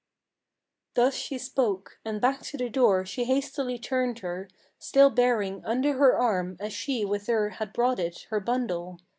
Thus she spoke and back to the door she hastily turned her, Still bearing under her arm, as she with her had brought it, her bundle.